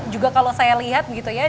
juga kalau saya lihat gitu ya